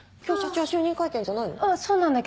今日社長就任会見じゃないの？